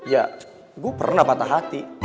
ya gue pernah patah hati